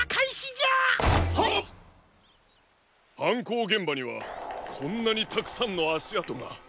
こうげんばにはこんなにたくさんのあしあとが。